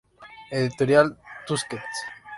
Editorial Tusquets.